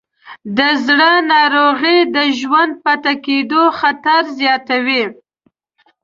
د زړه ناروغۍ د ژوندي پاتې کېدو خطر زیاتوې.